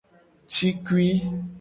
Cikui.